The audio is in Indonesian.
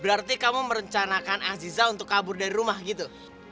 berarti kamu merencanakan aziza untuk kabur dari rumah gitu